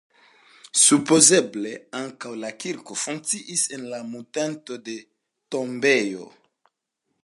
Supozeble ankaŭ la kirko funkciis en monteto de tombejo.